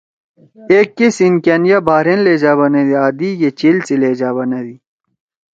ایک کے سینکأن یا بحرین لہجہ بنَدی آں دئی گے چیل سی لہجہ بنَدی۔